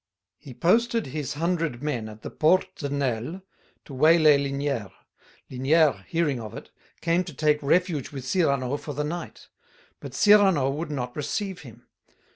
He posted his hundred men at the Porte de Nesle, to waylay Linière. Linière, hearing of it, came to take refuge with Cyrano for the night. But Cyrano would not receive him.